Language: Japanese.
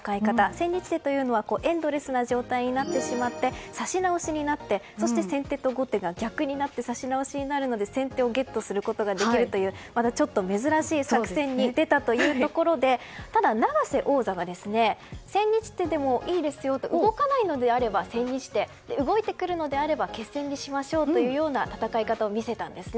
千日手というのはエンドレスな状態になってしまって指し直しになってそして先手と後手が逆になって指し直しになるので先手をゲットすることができるというちょっと珍しい作戦に出たというところでしたがただ、永瀬王座が千日手でもいいですよと動かないのであれば千日手、動いてくるのであれば決戦にしましょうという戦い方を見せたんです。